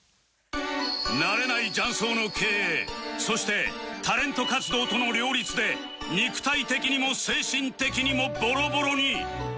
慣れない雀荘の経営そしてタレント活動との両立で肉体的にも精神的にもボロボロに